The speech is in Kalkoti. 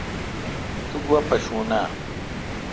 تو گوا پاشون اؘ۔